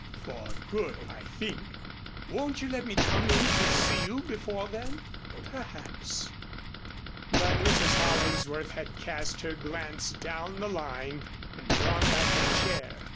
"For good, I think. Won't you let me come in to see you before then?" "Perhaps " But Mrs. Hollingsworth had cast her glance down the line and drawn back her chair.